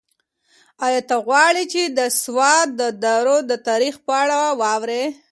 ایا ته غواړې چې د سوات د درو د تاریخ په اړه واورې؟